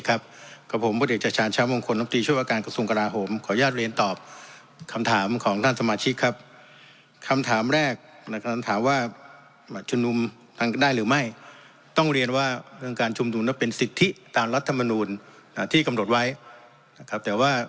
ขอบคุณครับท่านประธานครับ